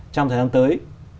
trong thời gian tới